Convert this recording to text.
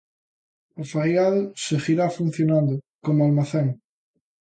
O faiado seguirá funcionando como almacén.